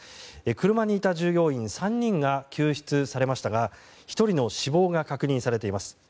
車にいた従業員３人が救出されましたが１人の死亡が確認されています。